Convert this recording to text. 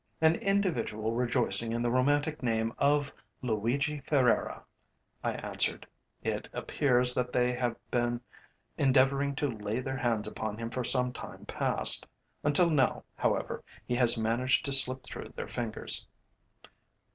"An individual rejoicing in the romantic name of Luigi Ferreira," I answered. "It appears that they have been endeavouring to lay their hands upon him for some time past. Until now, however, he has managed to slip through their fingers."